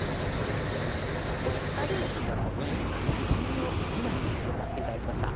お二人のスマホに写真を１枚入れさせて頂きました。